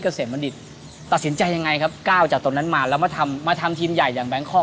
เกษมฤดิษธิ์ตัดสินใจยังไงครับกล้าจะตรงนั้นมาแล้วมาทำมาทำทีมใหญ่อย่าง